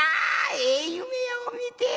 ええ夢を見て」。